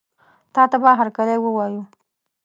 تاته به هرکلی ووایو.